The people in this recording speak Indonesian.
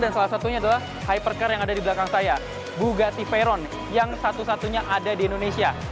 dan salah satunya adalah hypercar yang ada di belakang saya bugatti veyron yang satu satunya ada di indonesia